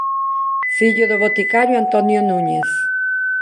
Fillo do boticario Antonio Núñez.